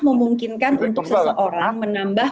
memungkinkan untuk seseorang menambah